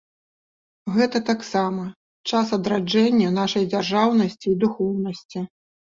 Гэта таксама час адраджэння нашай дзяржаўнасці і духоўнасці.